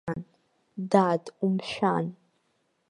Дад, умшәан!